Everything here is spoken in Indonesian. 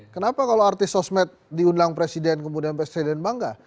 kenapa kalau artis sosmed diundang presiden kemudian presiden bangga